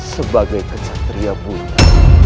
sebagai kesatria buta